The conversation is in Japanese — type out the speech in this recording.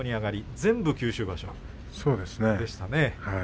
全部、九州場所でしたよね。